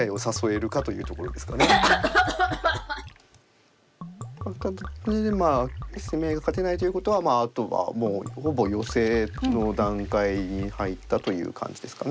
これでまあ攻め合いが勝てないということはあとはもうほぼヨセの段階に入ったという感じですかね。